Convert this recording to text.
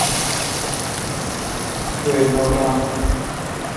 بہ نوٹان۔